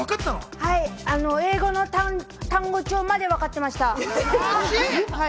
はい、英語の単語帳まで分かってました。